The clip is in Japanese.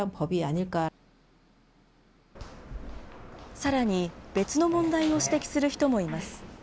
さらに、別の問題を指摘する人もいます。